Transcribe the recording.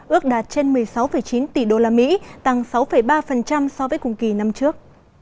ước đạt trên một mươi sáu chín tỷ usd tăng sáu ba so với cùng kỳ năm trước